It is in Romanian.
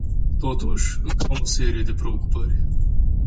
Totuși, încă am o serie de preocupări.